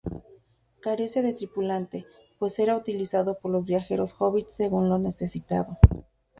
Carece de tripulante, pues era utilizado por los viajeros hobbits según lo necesitado.